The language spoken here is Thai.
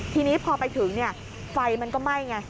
ทีนี้พอไปถึงไฟมันก็ไหม้ไง